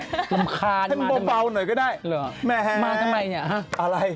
ตื่มคาญให้มันบ่เบาหน่อยก็ได้มาทำไมเนี้ยอะไร